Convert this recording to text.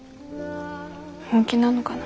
本気なのかな。